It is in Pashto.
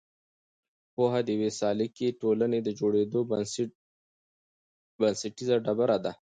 پوهه د یوې سالکې ټولنې د جوړېدو بنسټیزه ډبره ده.